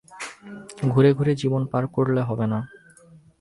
ঘুরে ঘুরে জীবন পার করলে হবে না।